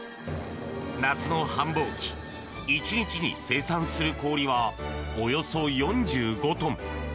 夏の繁忙期、１日に生産する氷はおよそ４５トン。